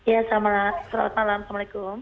ya selamat malam assalamualaikum